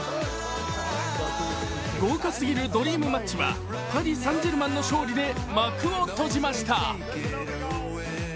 豪華すぎるドリームマッチはパリ・サン＝ジェルマンの勝利で幕を閉じました。